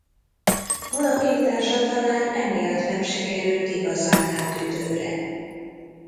Alakítása talán emiatt nem sikerült igazán átütőre.